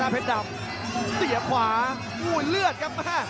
หน้าเพชรดำเตี๋ยวขวาโอ้โหเลือดครับ